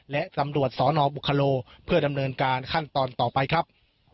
และตำรวจสนบุคโลเพื่อดำเนินการขั้นตอนต่อไปครับ